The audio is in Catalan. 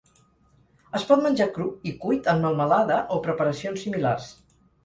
Es pot menjar cru i cuit en melmelada o preparacions similars.